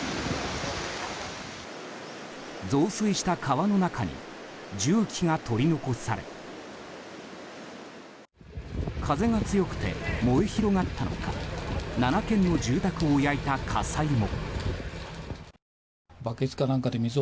増水した川の中に重機が取り残され風が強くて燃え広がったのか７軒の住宅を焼いた火災も。